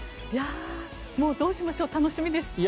どうしましょう楽しみです。